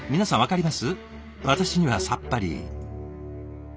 私にはさっぱり。